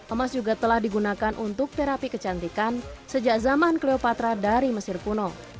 emas juga telah digunakan untuk terapi kecantikan sejak zaman cleopatra dari mesir kuno